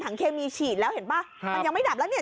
เคมีฉีดแล้วเห็นป่ะมันยังไม่ดับแล้วเนี่ย